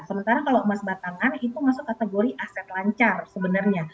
sementara kalau emas batangan itu masuk kategori aset lancar sebenarnya